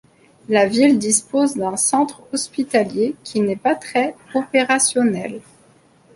La ville dispose d'un centre hospitalier qui n'est pas très opérationnel.